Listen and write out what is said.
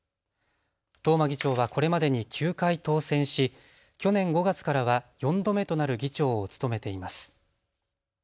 東間議長はこれまでに９回当選し去年５月からは４度目となる議長を務めています。